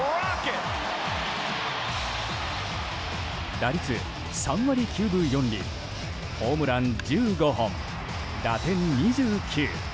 打率３割９分４厘ホームラン１５本、打点２９。